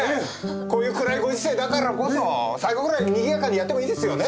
こういう暗いご時世だからこそ最後くらいにぎやかにやってもいいですよね。